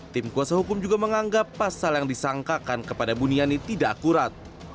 tim kuasa hukum juga menganggap pasal yang disangkakan kepada buniani tidak akurat